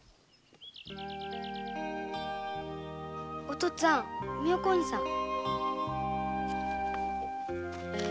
おとっつぁん妙光尼さん。